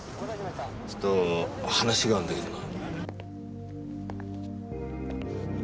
ちょっと話があんだけどな。